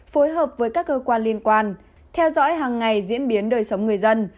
phối hợp với các cơ quan liên quan theo dõi hàng ngày diễn biến đời sống người dân